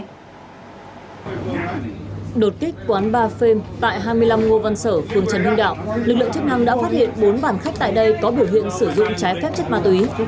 đột kích quán bar phem tại hai mươi năm ngo văn sở phường trần hưng đạo lực lượng chức năng đã phát hiện bốn bàn khách tại đây có biểu hiện sử dụng trái phép chất ma túy